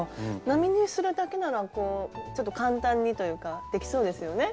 並縫いするだけならこうちょっと簡単にというかできそうですよね？